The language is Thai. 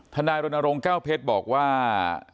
นายรณรงค์แก้วเพชรบอกว่า